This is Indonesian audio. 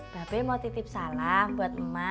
babeh mau titip salam buat emak